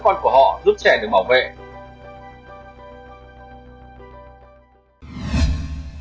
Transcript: giúp trẻ được bảo vệ